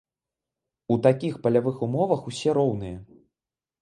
У такіх палявых умовах ўсе роўныя.